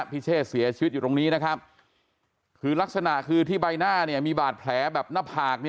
พิเชษเสียชีวิตอยู่ตรงนี้นะครับคือลักษณะคือที่ใบหน้าเนี่ยมีบาดแผลแบบหน้าผาก